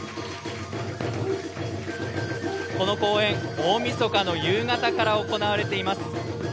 この公演、大みそかの夕方から行われています。